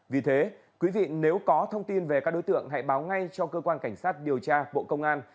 vì thế quý vị nếu có thông tin về các đối tượng hãy báo ngay cho cơ quan cảnh sát điều tra bộ công an